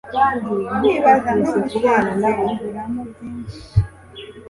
kwibaza no gusesenguramo byinshi